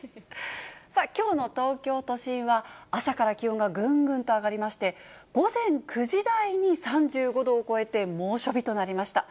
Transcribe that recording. さあ、きょうの東京都心は、朝から気温がぐんぐんと上がりまして、午前９時台に３５度を超えて猛暑日となりました。